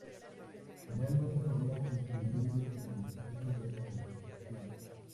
Realmente podríamos distinguir Instrumentación de Orquestación.